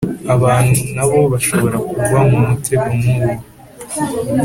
Abantu na bo bashobora kugwa mu mutego nk uwo